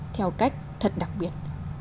theo cách thật đặc biệt